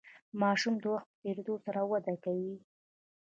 ماشوم د وخت په تیریدو سره وده کوي.